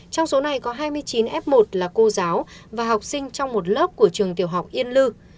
trong số này có hai mươi chín f một là cô giáo và học sinh trong một lớp của trường tiểu học yên lư